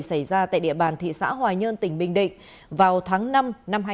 xảy ra tại địa bàn thị xã hòa nhơn tỉnh bình định vào tháng năm năm hai nghìn hai mươi ba